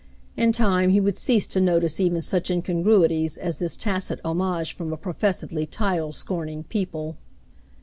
In time he would cease to notice even such incongruities as this tacit homage from a professedly title scorning people.